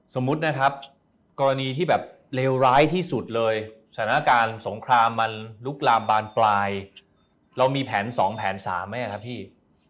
สมมุตินะครับกรณีที่แบบเลวร้ายที่สุดเลยสถานการณ์สงครามมันลุกลามบานปลายเรามีแผน๒แผน๓ไหมครับพี่